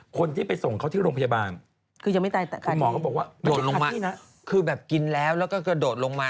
คนที่ไปส่งเขาที่โรงพยาบาลคือยังไม่ตายแต่คุณหมอก็บอกว่าโดดลงมาคือแบบกินแล้วแล้วก็กระโดดลงมา